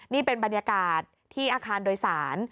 นี่เป็นบรรยากาศที่อาคารโดยสาร